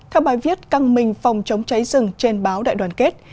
theo bài viết căng mình phòng chống cháy rừng trên báo đại đoàn kết